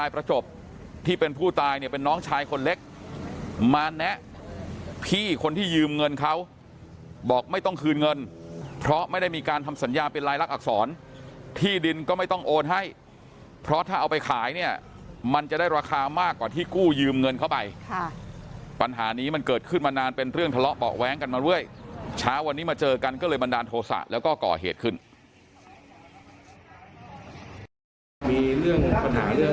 พี่คนที่ยืมเงินเขาบอกไม่ต้องคืนเงินเพราะไม่ได้มีการทำสัญญาเป็นลายลักอักษรที่ดินก็ไม่ต้องโอนให้เพราะถ้าเอาไปขายเนี่ยมันจะได้ราคามากกว่าที่กู้ยืมเงินเข้าไปค่ะปัญหานี้มันเกิดขึ้นมานานเป็นเรื่องทะเลาะปอกแว้งกันมาด้วยเช้าวันนี้มาเจอกันก็เลยบันดาลโทษะแล้วก็ก่อเหตุขึ้นมีเรื่องป